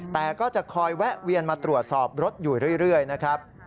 แต่ก็จะคอยแวะเวียนมาตรวจสอบรถอยู่เรื่อยนะครับ